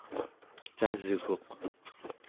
casguq